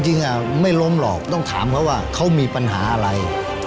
จริงไม่ล้มหรอกต้องถามเขาว่าเขามีปัญหาอะไร